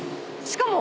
しかも。